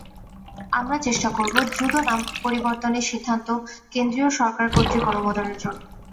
আমরা চেষ্টা করব দ্রুত নাম পরিবর্তনের সিদ্ধান্ত কেন্দ্রীয় সরকার কর্তৃক অনুমোদনের জন্য।